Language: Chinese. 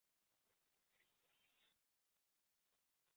再婚夫妇总计只有一个子女的可以再生育一个子女。